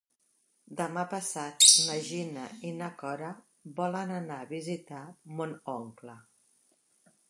Demà passat na Gina i na Cora volen anar a visitar mon oncle.